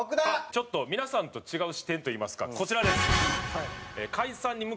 ちょっと皆さんと違う視点といいますかこちらです。